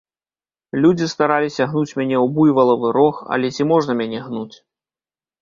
Людзі стараліся гнуць мяне ў буйвалавы рог, але ці можна мяне гнуць?